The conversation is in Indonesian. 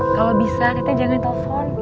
kalau bisa kita jangan telepon